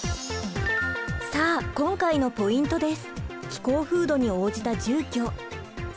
さあ今回のポイントです。